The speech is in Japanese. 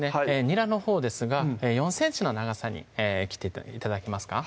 にらのほうですが４ｃｍの長さに切って頂けますか？